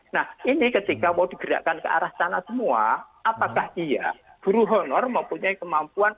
nah ini ketika mau digerakkan ke arah sana semua apakah iya guru honor mempunyai kemampuan